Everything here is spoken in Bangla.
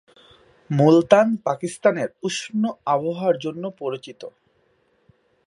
মুলতান পাকিস্তানের উষ্ণ আবহাওয়ার জন্য পরিচিত।